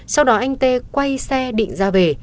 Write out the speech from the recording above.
sau đó anh t quay xe định ra về